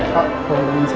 pak boleh dong saya